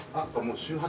週８！？